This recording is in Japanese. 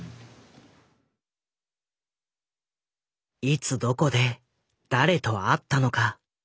いつどこで誰と会ったのか。